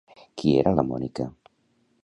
Qui era la Mònica?